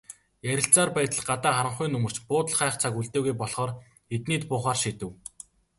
Ярилцсаар байтал гадаа харанхуй нөмөрч, буудал хайх цаг үлдээгүй болохоор эднийд буухаар шийдэв.